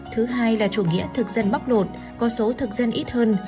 thứ hai là chủ nghĩa thực dân bóc lột có số thực dân ít hơn